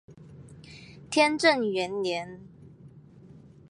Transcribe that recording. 天正元年。